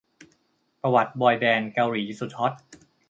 ประวัติบอยแบนด์เกาหลีสุดฮอต